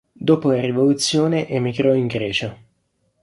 Dopo la rivoluzione emigrò in Grecia.